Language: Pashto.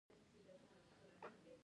لاندې ولوېد.